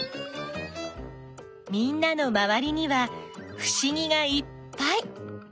みんなのまわりにはふしぎがいっぱい！